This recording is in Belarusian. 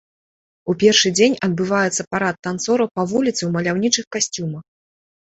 У першы дзень адбываецца парад танцораў па вуліцы ў маляўнічых касцюмах.